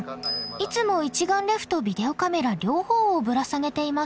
いつも一眼レフとビデオカメラ両方をぶら下げています。